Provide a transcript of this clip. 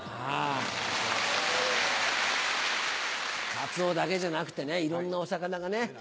カツオだけじゃなくていろんなお魚がね